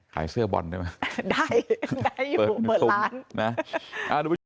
ขายเสื้อบอลได้ไหมได้อยู่หมดร้าน